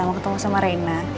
mau ketemu sama reina